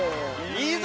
いいぞ！